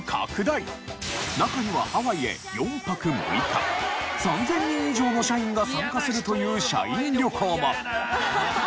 中にはハワイへ４泊６日３０００人以上の社員が参加するという社員旅行も。